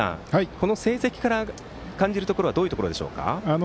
この戦績から感じるのはどういうところでしょうか。